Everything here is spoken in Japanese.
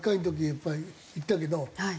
やっぱり行ったけど。